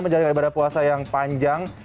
menjalankan ibadah puasa yang panjang